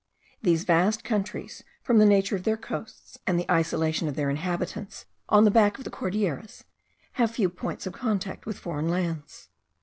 These vast countries, from the nature of their coasts, and the isolation of their inhabitants on the back of the Cordilleras, have few points of contact with foreign lands.